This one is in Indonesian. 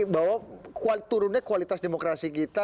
bahwa turunnya kualitas demokrasi kita